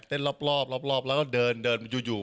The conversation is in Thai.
เต้นรอบรอบแล้วก็เดินอยู่